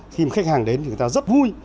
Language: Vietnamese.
khi khách hàng đến thì người ta rất vui